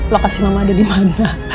lokasi mama ada dimana